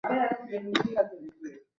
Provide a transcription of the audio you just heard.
এরা দেখি সব জায়গায় আছে!